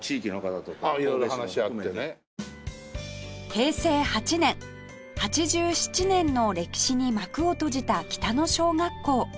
平成８年８７年の歴史に幕を閉じた北野小学校